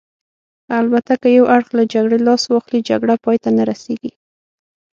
البته که یو اړخ له جګړې لاس واخلي، جګړه پای ته نه رسېږي.